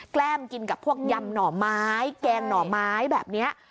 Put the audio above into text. ล้มกินกับพวกยำหน่อไม้แกงหน่อไม้แบบนี้